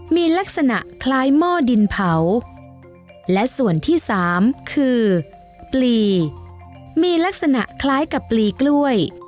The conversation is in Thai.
มีลักษณะคล้ายหม้อดินเผาและส่วนที่สามคือปลีมีลักษณะคล้ายกับปลีกล้วย